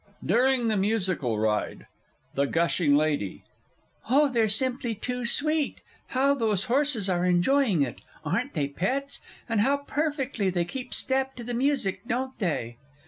_) DURING THE MUSICAL RIDE. THE GUSHING LADY. Oh, they're simply too sweet! How those horses are enjoying it aren't they pets? and how perfectly they keep step to the music, don't they?